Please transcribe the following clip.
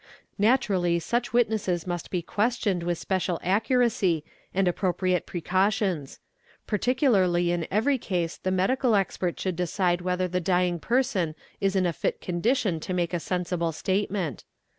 Naturally such witnesses must be questioned with special accuracy and appropriate precautions ; particularly in every case the medical expet should decide whether the dying person is in a fit condition to make sensible statement.